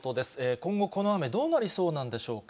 今後、この雨、どうなりそうなんでしょうか。